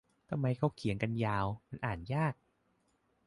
ทำไมเค้าเขียนกันยาว มันอ่านยาก